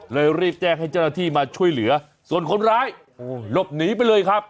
รีบแจ้งให้เจ้าหน้าที่มาช่วยเหลือส่วนคนร้ายหลบหนีไปเลยครับ